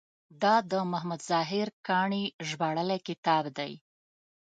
دا د محمد طاهر کاڼي ژباړلی کتاب دی.